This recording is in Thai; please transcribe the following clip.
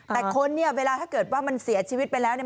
แต่คนเนี่ยเวลาถ้าเกิดว่ามันเสียชีวิตไปแล้วเนี่ย